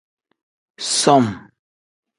Som.